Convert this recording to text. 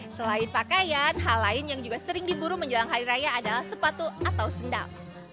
selain pakaian hal lain yang juga sering diburu menjelang hari raya adalah sepatu atau sendal